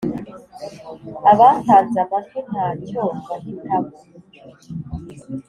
abatanze amajwi ntacyo bahitamo